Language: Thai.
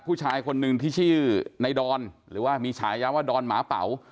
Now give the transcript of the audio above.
ผู้ชายคนหนึ่งที่ชื่อในดอนหรือว่ามีฉายาว่าดอนหมาเป๋า